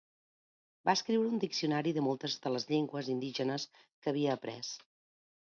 Va escriure un diccionari de moltes de les llengües indígenes que havia après.